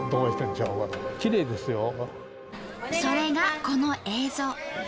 それがこの映像。